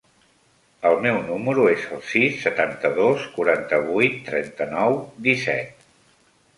El meu número es el sis, setanta-dos, quaranta-vuit, trenta-nou, disset.